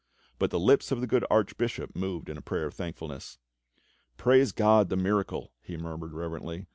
But the lips of the good Archbishop moved in a prayer of thankfulness: "Praise God, the miracle!" he murmured reverently.